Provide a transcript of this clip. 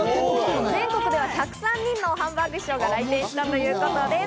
全国では１０３人のハンバーグ師匠が来店したということです。